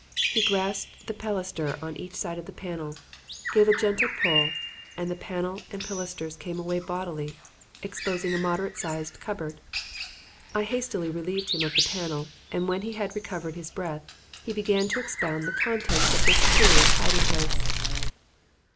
He grasped the pilaster on each side of the panel, gave a gentle pull, and panel and pilasters came away bodily, exposing a moderate sized cupboard. I hastily relieved him of the panel, and, when he had recovered his breath, he began to expound the contents of this curious hiding place.